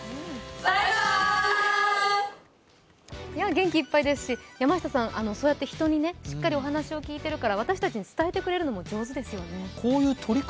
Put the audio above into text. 元気いっぱいですし、山下さん、そうやって人からしっかりお話を聞いてるから私たちに伝えてくれるのも上手ですよね。